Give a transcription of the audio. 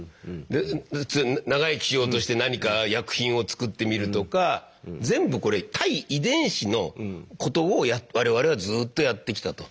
で普通長生きしようとして何か薬品を作ってみるとか全部これ対遺伝子のことを我々はずっとやってきたと。